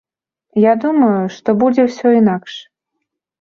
Я думаю, што будзе ўсё інакш.